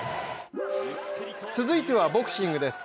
続いてはボクシングです。